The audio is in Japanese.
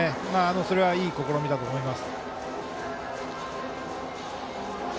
それはいい試みだと思います。